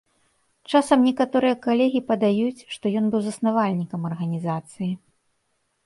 Часам некаторыя калегі падаюць, што ён быў заснавальнікам арганізацыі.